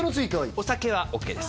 お酒はＯＫです